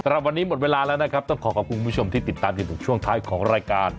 สำหรับวันนี้หมดเวลาแล้วนะครับต้องขอขอบคุณผู้ชมที่ติดตามจนถึงช่วงท้ายของรายการ